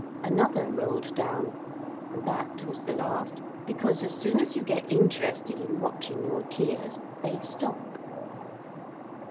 Another rolled down, and that was the last, because as soon as you get interested in watching your tears they stop.